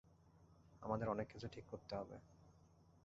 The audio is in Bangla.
আমাদের অনেক কিছু ঠিক করতে হবে।